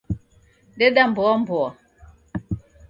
Deda mboa mboa